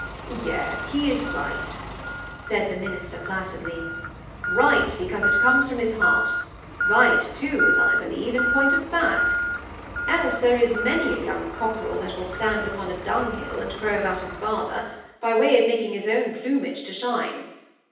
"Yes—he is right," said the minister, placidly. "Right, because it comes from his heart—right, too, as I believe, in point of fact. Else there is many a young cockerel that will stand upon a dunghill and crow about his father, by way of making his own plumage to shine.